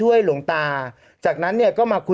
โอเคโอเคโอเคโอเค